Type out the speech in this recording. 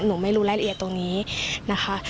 หนูไม่รู้รายละเอียดตรงนี้นะคะ